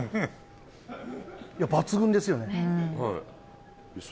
いや、抜群ですよね。